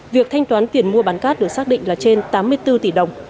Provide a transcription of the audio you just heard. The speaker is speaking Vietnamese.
việc thanh toán tiền mua bán cát được xác định là trên tám mươi bốn tỷ đồng